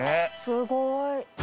すごい！